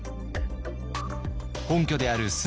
本拠である駿